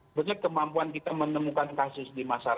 sebenarnya kemampuan kita menemukan kasus di luar negeri